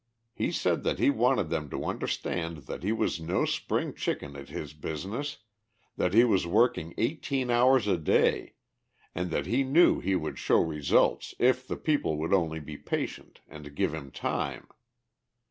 He said that he wanted them to understand that he was no spring chicken at his business, that he was working eighteen hours a day, and that he knew he would show results if the people would only be patient, and give him time.